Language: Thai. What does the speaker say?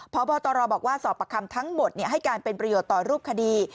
พบตรบอกว่าสอบประคำทั้งหมดให้การเป็นประโยชน์ต่อรูปคดี